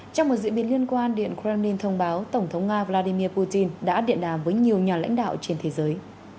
trong một diễn biến liên quan điện kremlin thông báo tổng thống nga vladimir putin đã điện đàm với nhiều nhà lãnh đạo trên thế giới